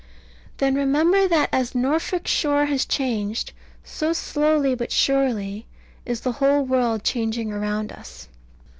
Then remember that as that Norfolk shore has changed, so slowly but surely is the whole world changing around us.